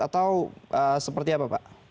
atau seperti apa pak